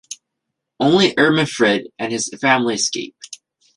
Only Irminfrid and his family escape.